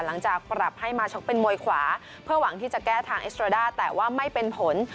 หลังจากปรับให้มาชกเป็นมวยขวาเพื่อหวังที่จะแก้ทางเอสโรด้าแต่ว่าไม่เป็นผล